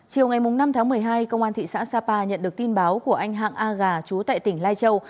chiều ngày năm tháng một mươi hai công an thị xã sapa nhận được tin báo của anh hạng a gà chú tại tỉnh lai châu